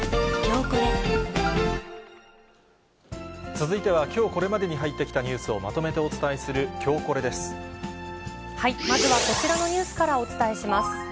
続いては、きょうこれまでに入ってきたニュースをまとめてお伝えする、まずはこちらのニュースからお伝えします。